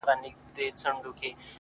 ما خو څو واره ازمويلى كنه ـ